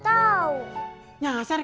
t enah ami